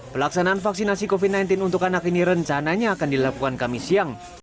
pelaksanaan vaksinasi covid sembilan belas untuk anak ini rencananya akan dilakukan kami siang